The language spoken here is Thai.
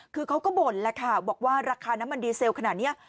คือเขาก็บ่นแหละค่ะบอกว่าราคาน้ำมันดีเซลขนาดนี้